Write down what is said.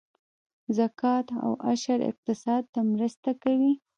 زکات او عشر اقتصاد ته مرسته کوي